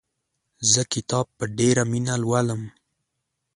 زه کتاب په ډېره مینه لولم.